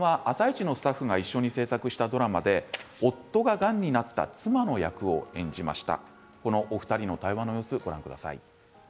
多部さんは「あさイチ」のスタッフが制作したドラマで夫が、がんになった妻の役を演じました。